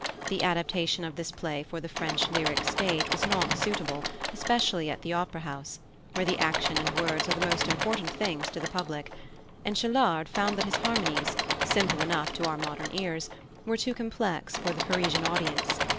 The adaptation of this play for the French lyric stage was not suitable, especially at the Opera House, where the action and words are the most important things to the public; and Chelard found that his harmonies, simple enough to our modern ears, were too complex for the Parisian audience.